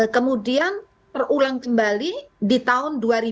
kemudian terulang kembali di tahun dua ribu dua